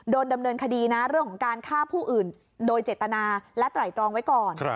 โดนดำเนินคดีนะเรื่องของการฆ่าผู้อื่นโดยเจตนาและไตรตรองไว้ก่อน